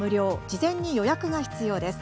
事前に予約が必要です。